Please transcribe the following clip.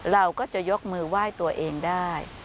เราก็จะยกมือไหว้ตัวเองได้